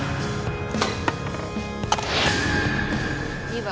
２番。